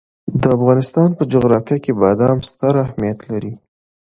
د افغانستان په جغرافیه کې بادام ستر اهمیت لري.